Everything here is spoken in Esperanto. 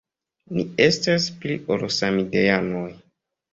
Ni estas pli ol samideanoj.